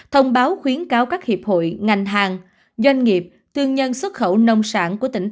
thông báo khuyến cáo các hiệp hội ngành hàng doanh nghiệp thương nhân xuất khẩu nông sản của tỉnh